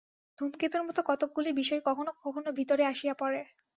ধূমকেতুর মত কতকগুলি বিষয় কখনও কখনও ভিতরে আসিয়া পড়ে।